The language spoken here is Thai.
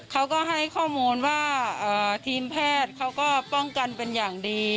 เขาก็ให้ข้อมูลว่าทีมแพทย์เขาก็ป้องกันเป็นอย่างดี